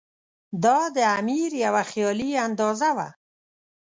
دا د امیر یوه خیالي اندازه وه.